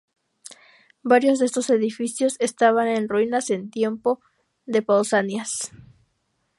Varios de estos edificios estaban en ruinas en tiempo de Pausanias.